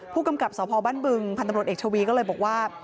ผู้กำกับสพบ้านบึงพันธ์ตำรวจเอกชวีก็เลยบอกว่า